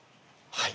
はい。